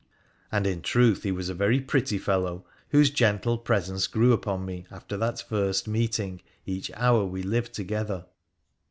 And in truth he was a very pretty fellow, whose gentle presence grew upon me after that first meeting each hour we lived together.